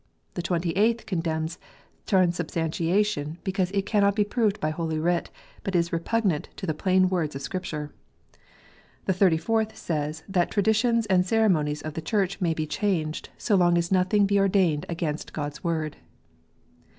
The Twenty eighth condemns transubstantiation, because it " cannot bo proved by Holy Writ, but is repugnant to the plain words of Scripture." The Thirty fourth says, that traditions and ceremonies of the Church may be changed, so long as " nothing be ordained against God s Word."